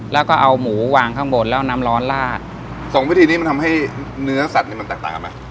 แล้วก็เอาหมูวางข้างบนแล้วน้ำร้อนลาดสองวิธีนี้มันทำให้เนื้อสัตว์นี่มันแตกต่างกันไหม